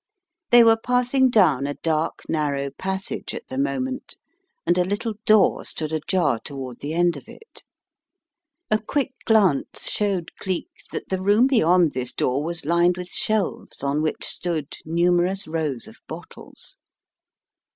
They were passing down a dark, narrow passage at the moment and a little door stood ajar toward the end of it. A quick glance showed Cleek that the room beyond this door was lined with shelves on which stood numerous rows of bottles.